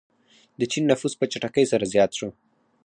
د چین نفوس په چټکۍ سره زیات شو.